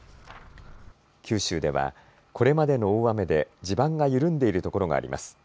九州では、これまでの大雨で地盤が緩んでいる所があります。